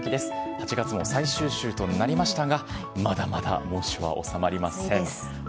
８月も最終週となりましたが、まだまだ猛暑は収まりません。